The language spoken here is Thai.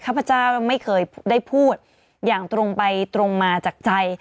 พระเจ้าไม่เคยได้พูดอย่างตรงไปตรงมาจากใจ